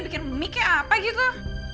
bikin memikir apa gitu